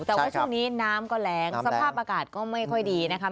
แต่ว่าช่วงนี้น้ำก็แรงสภาพอากาศก็ไม่ค่อยดีนะคะ